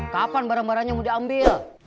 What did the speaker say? kapan barang barangnya mau diambil